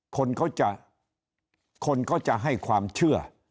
คนเขาจะให้ความเชื่อ